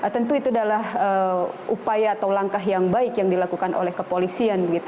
tentu itu adalah upaya atau langkah yang baik yang dilakukan oleh kepolisian